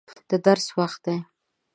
د درس وخت دی.